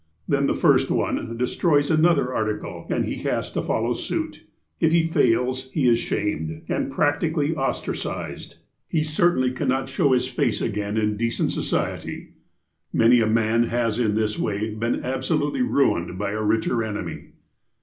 Then the first one destroys another article, and he has to follow suit. If he fails, he is ''shamed," and practically ostracized. He certainly cannot show his face 80 THE APOSTLE OF ALASKA agaia iu decent society. Many a man has in this way been absolutely ruined by a richer enemy.